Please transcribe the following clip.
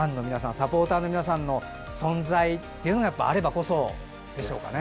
サポーターの皆さんの存在というのがあればこそでしょうかね。